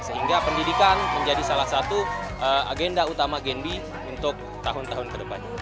sehingga pendidikan menjadi salah satu agenda utama genbi untuk tahun tahun ke depan